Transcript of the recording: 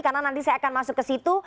karena nanti saya akan masuk ke situ